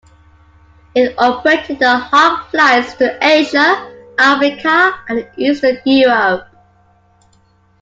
It operated ad hoc flights to Asia, Africa and eastern Europe.